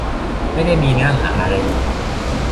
ไม่ได้มีเนื้อหาอะไรอยู่